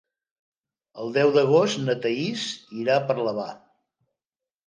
El deu d'agost na Thaís irà a Parlavà.